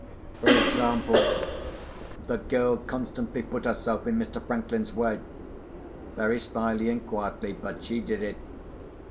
For example, the girl constantly put herself in Mr. Franklin's way—very slyly and quietly, but she did it.